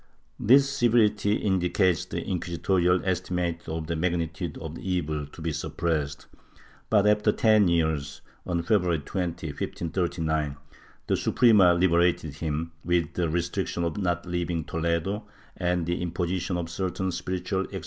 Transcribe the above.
This severity indicates the inquisitorial estimate of the magnitude of the evil to be sup pressed but, after ten years, on February 20, 1539, the Suprema liberated him, with the restriction of not leaving Toledo and the imposition of certain spiritual exercises.